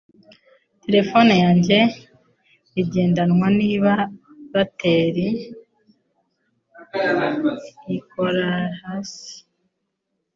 Terefone yanjye igendanwa niba bateri ikora hasi